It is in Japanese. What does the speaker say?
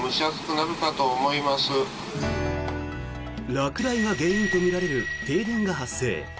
落雷が原因とみられる停電が発生。